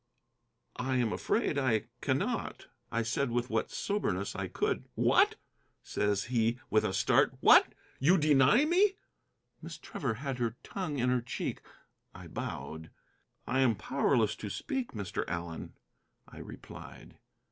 "I am afraid I cannot," I said with what soberness I could. "What!" says he with a start. "What! you deny me?" Miss Trevor had her tongue in her cheek. I bowed. "I am powerless to speak, Mr. Allen," I replied.